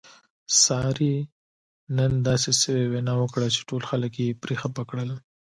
سارې نن داسې سوې وینا وکړله چې ټول خلک یې پرې خپه کړل.